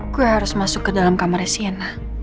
gue harus masuk ke dalam kamarnya si ena